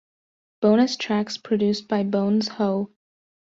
Bonus tracks produced by Bones Howe.